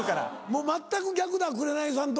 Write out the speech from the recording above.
もう全く逆だ紅さんと。